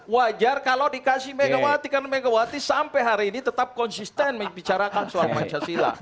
wajar kalau dikasih megawati karena megawati sampai hari ini tetap konsisten membicarakan soal pancasila